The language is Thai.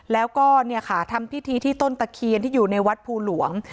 แล้วก็เนี่ยค่ะทำพิธีที่ต้นตะเคียนที่อยู่ในวัดภูหลวง